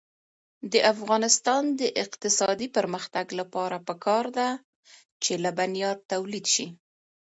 د افغانستان د اقتصادي پرمختګ لپاره پکار ده چې لبنیات تولید شي.